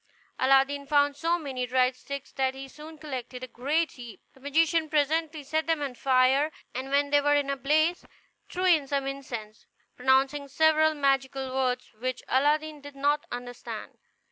Aladdin found so many dried sticks that he soon collected a great heap. The magician presently set them on fire; and when they were in a blaze, threw in some incense, pronouncing several magical words which Aladdin did not understand.